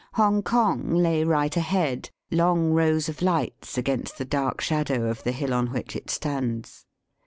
Hongkong lay right ahead, long rows of lights against the dark shadow of the hill on which it stands.